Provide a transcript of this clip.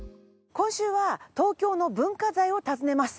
今週は東京の文化財を訪ねます。